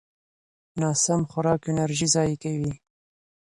ناسم خوراک انرژي ضایع کوي.